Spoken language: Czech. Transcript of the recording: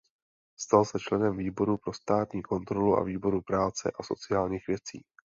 Stal se členem výboru pro státní kontrolu a výboru práce a sociálních věcí.